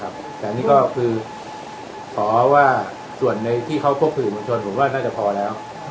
แต่นี่ก็คือขอว่าส่วนในที่เขาพบสื่อมวลชนผมว่าน่าจะพอแล้ว